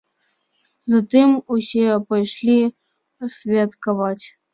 Затым усе пайшлі святкаваць.